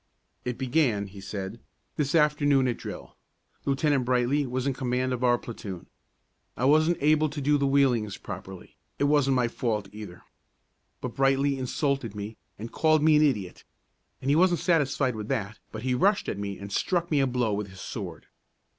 "It began," he said, "this afternoon at drill. Lieutenant Brightly was in command of our platoon. I wasn't able to do the wheelings properly; it wasn't my fault, either. But Brightly insulted me, and called me an idiot; and he wasn't satisfied with that, but he rushed at me and struck me a blow with his sword.